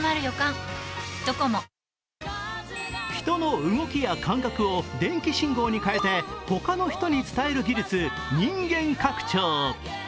人の動きや感覚を電気信号に変えて他の人に伝える技術人間拡張。